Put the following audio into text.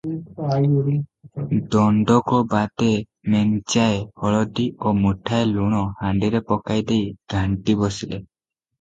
ଦଣ୍ଡକ ବାଦେ ମେଞ୍ଚାଏ ହଳଦି ଓ ମୁଠାଏ ଲୁଣ ହାଣ୍ଡିରେ ପକାଇ ଦେଇ ଘାଣ୍ଟି ବସିଲେ ।